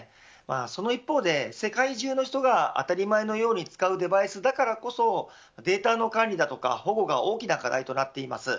その一方で、世界中の人が当たり前のように使うデバイスだからこそデータの管理や保護が大きな課題となっています。